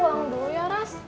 eh aku buang dulu ya ras